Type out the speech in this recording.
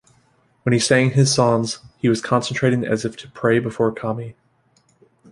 When he sang his songs, he was concentrating as if to pray before kami.